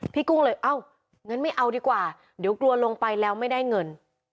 กุ้งเลยเอ้างั้นไม่เอาดีกว่าเดี๋ยวกลัวลงไปแล้วไม่ได้เงิน